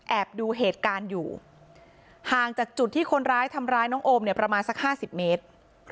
ดูเหตุการณ์อยู่ห่างจากจุดที่คนร้ายทำร้ายน้องโอมเนี่ยประมาณสัก๕๐เมตร